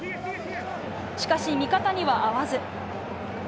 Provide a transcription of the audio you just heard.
しかし味方には合わず。